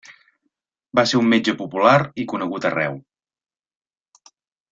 Va ser un metge popular i conegut arreu.